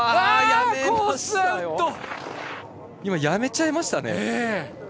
やめちゃいましたね。